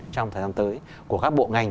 trong thời gian tới của các bộ ngành